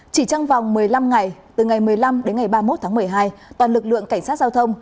chỉ trong vòng một mươi năm ngày từ ngày một mươi năm đến ngày ba mươi một tháng một mươi hai toàn lực lượng cảnh sát giao thông